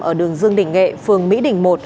ở đường dương đình nghệ phường mỹ đình một